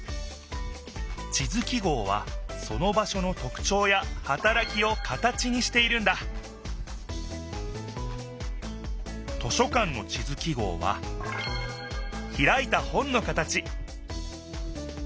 地図記号はその場所のとくちょうやはたらきを形にしているんだ図書館の地図記号はひらいた本の形